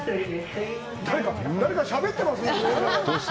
誰かしゃべってますね？